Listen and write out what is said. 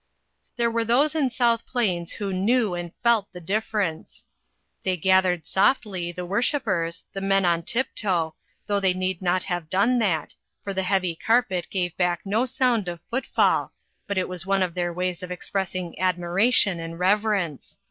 There were those in South Plains who knew and felt the difference. They gathered softly, the worshipers, the men on tiptoe, though they need not have done that, for the heavy carpet gave back no sound of footfall, but it was one of their ways of expressing admiration and rev erence.